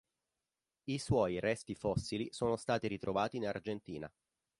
I suoi resti fossili sono stati ritrovati in Argentina.